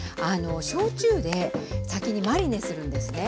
焼酎で先にマリネするんですね。